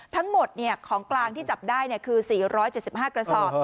ทั้งหมดของกลางที่จับได้คือ๔๗๕กระสอบ